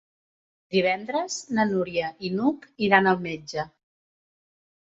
Divendres na Núria i n'Hug iran al metge.